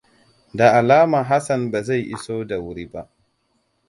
Da alama Hassan ba zai iso da wuri ba.